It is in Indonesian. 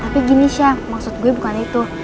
tapi gini chef maksud gue bukan itu